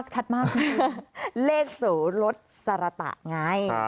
ชัดมากคือเลขสูงลดสาระตะไง